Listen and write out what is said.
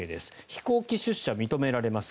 飛行機出社認められます。